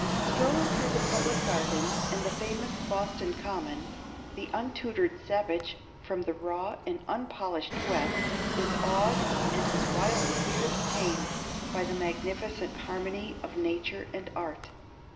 Strolling through the Public Garden and the famous Boston Common, the untutored savage from the raw and unpolished West is awed and his wild spirit tamed by the magnificent harmony of nature and art.